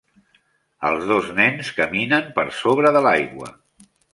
Els dos nens caminen per sobre de l'aigua.